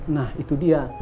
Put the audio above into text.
nah itu dia